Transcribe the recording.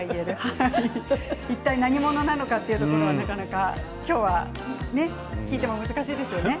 いったい何者なのかというところはなかなか今日はね。聞いても難しいですよね。